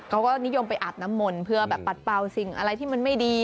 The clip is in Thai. เขาก็นิยมไปอาบน้ำมนต์เพื่อแบบปัดเป่าสิ่งอะไรที่มันไม่ดี